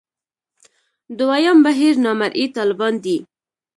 دویم بهیر نامرئي طالبان دي.